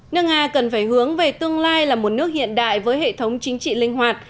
nước nga cần phải hướng về tương lai là một nước hiện đại với hệ thống chính trị linh hoạt